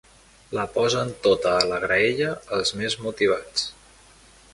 La posen tota a la graella els més motivats.